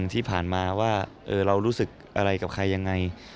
ที่ผ่านมาว่าเรารู้สึกอะไรกับใครยังไง